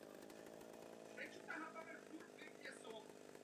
Jakou roli hraje naše vlastní politika dotací při vývozu?